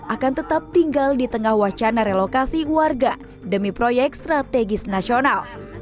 akan tetap tinggal di tengah wacana relokasi warga demi proyek strategis nasional